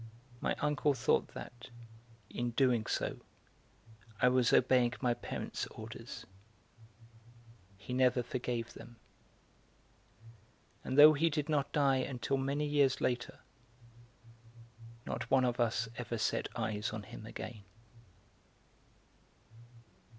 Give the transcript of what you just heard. My uncle thought that, in doing so I was obeying my parents' orders; he never forgave them; and though he did not die until many years later, not one of us ever set eyes on him again.